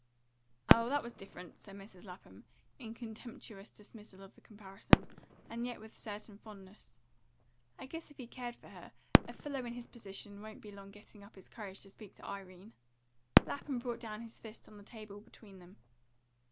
"Oh, that was different," said Mrs. Lapham, in contemptuous dismissal of the comparison, and yet with a certain fondness. "I guess, if he cared for her, a fellow in his position wouldn't be long getting up his courage to speak to Irene." Lapham brought his fist down on the table between them.